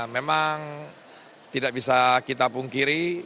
memang tidak bisa kita pungkiri